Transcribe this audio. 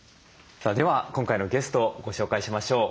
さあでは今回のゲストをご紹介しましょう。